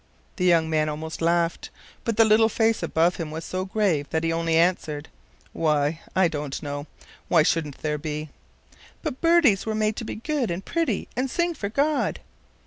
The young man almost laughed, but the little face above him was so grave that he only answered: "Why, I don't know; why shouldn't there be?" "But birdies were made to be good and pretty, and sing for God."